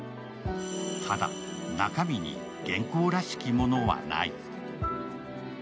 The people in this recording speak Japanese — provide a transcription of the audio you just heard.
ただ、中身に原稿らしきものはない